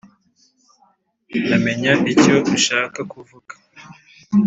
ndamenya icyo ushaka kuvuga”